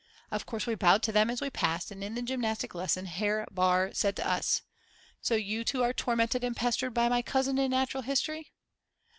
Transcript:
Of course we bowed to them as we passed and in the gymnastic lesson Herr Baar said to us: So you two are tormented and pestered by my cousin in natural history?